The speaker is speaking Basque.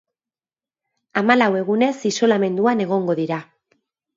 Hamalau egunez isolamenduan egongo dira.